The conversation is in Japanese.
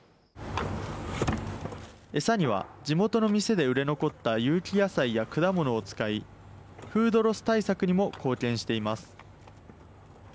餌には、地元の店で売れ残った有機野菜や果物を使いフードロス対策にも貢献しています。